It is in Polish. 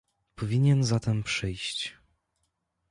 "Powinien zatem przyjść."